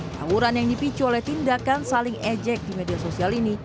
tawuran yang dipicu oleh tindakan saling ejek di media sosial ini